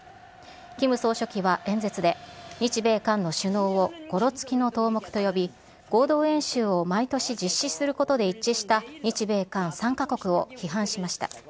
キム総書記は演説で、日米韓の首脳をごろつきの頭目と呼び、合同演習を毎年実施することで一致した日米韓３か国を批判しました。